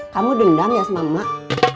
kamu dendam ya sama emak